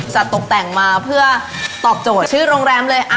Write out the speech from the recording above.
ตกแต่งมาเพื่อตอบโจทย์ชื่อโรงแรมเลย